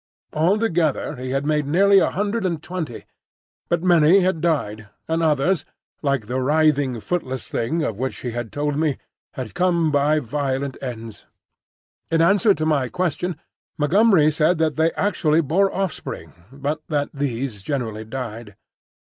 Altogether he had made nearly a hundred and twenty; but many had died, and others—like the writhing Footless Thing of which he had told me—had come by violent ends. In answer to my question, Montgomery said that they actually bore offspring, but that these generally died.